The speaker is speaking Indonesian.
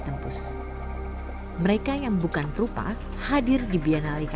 sudah menjadi tanda tanda yang menarik